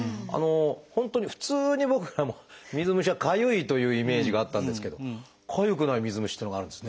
本当に普通に僕ら水虫はかゆいというイメージがあったんですけどかゆくない水虫っていうのがあるんですね。